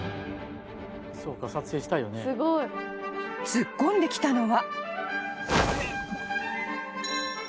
［突っ込んできたのは］